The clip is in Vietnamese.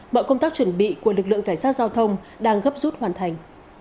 mọi công tác chuẩn bị của lực lượng cảnh sát giao thông đang gấp rút hoàn thành